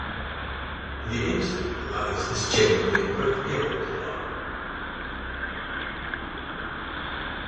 The inside of the mouth is generally a bright yellow colour.